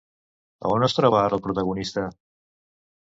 A on es troba ara el protagonista?